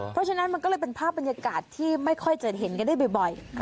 เพราะฉะนั้นมันก็เลยเป็นภาพบรรยากาศที่ไม่ค่อยจะเห็นกันได้บ่อย